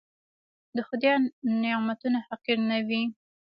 د خدای نعمتونه حقير نه وينئ.